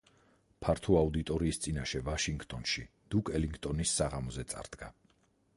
ფართო აუდიტორიის წინაშე ვაშინგტონში, დუკ ელინგტონის საღამოზე წარდგა.